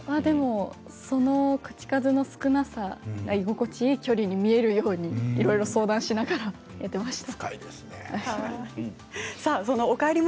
その口かずの少なさが居心地いい距離に見えるようにいろいろ相談しながらやっていました。